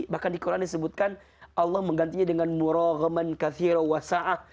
bahkan di quran disebutkan allah menggantinya dengan muraghaman kathiru wasa'ah